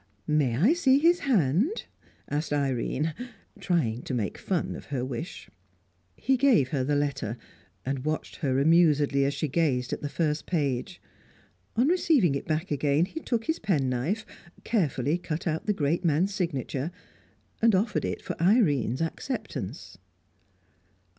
"May I see his hand?" asked Irene, trying to make fun of her wish. He gave her the letter, and watched her amusedly as she gazed at the first page. On receiving it back again, he took his penknife, carefully cut out the great man's signature, and offered it for Irene's acceptance.